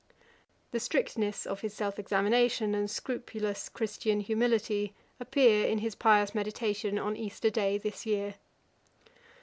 The strictness of his self examination and scrupulous Christian humility appear in his pious meditation on Easter day this year.